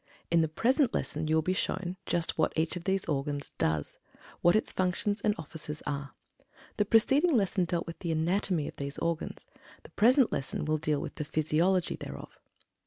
In the present lesson you will be shown "just what" each of these organs DOES what its functions and offices are. The preceding lesson dealt with the ANATOMY of these organs; the present lesson will deal with the PHYSIOLOGY thereof.